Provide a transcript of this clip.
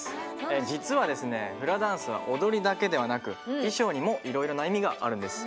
実は、フラダンスは踊りだけではなく衣装にもいろいろな意味があるんです。